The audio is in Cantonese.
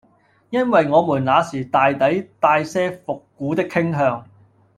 因爲我們那時大抵帶些復古的傾向，